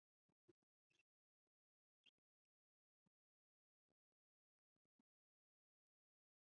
这里我们在复向量空间上考虑问题。